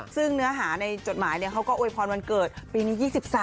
ซึ่งเนื้อหาในจดหมายเขาก็โวยพรวันเกิดปีนี้๒๓